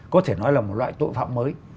có thể nói là một loại tội phạm mới